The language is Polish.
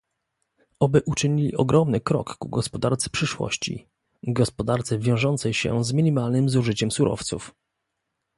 Oby uczynili ogromny krok ku gospodarce przyszłości, gospodarce wiążącej się z minimalnym zużyciem surowców